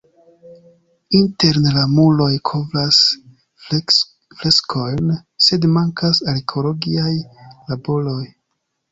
Interne la muroj kovras freskojn, sed mankas arkeologiaj laboroj.